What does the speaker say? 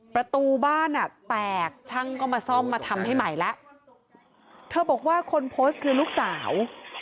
ประตูบ้านอ่ะแตกช่างก็มาซ่อมมาทำให้ใหม่แล้วเธอบอกว่าคนโพสต์คือลูกสาว